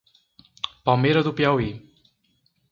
Palmeira do Piauí